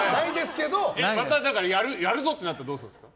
またやるぞってなったらどうするんですか？